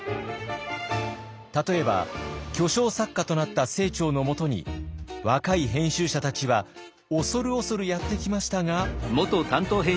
例えば巨匠作家となった清張のもとに若い編集者たちは恐る恐るやって来ましたが。